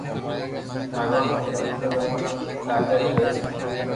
ڀگوان پيرڪا زمانو ۾ ايڪ راجا ري ڀيس ۾